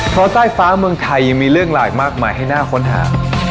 เพราะใต้ฟ้าเมืองไทยยังมีเรื่องราวอีกมากมายให้น่าค้นหา